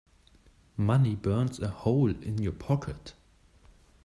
Money burns a hole in your pocket.